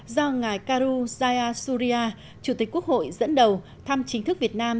do ngài karu zaya surya chủ tịch quốc hội dẫn đầu thăm chính thức việt nam